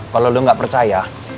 kalau kamu tidak percaya